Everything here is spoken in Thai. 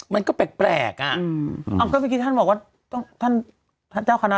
มันก็แปลกอะ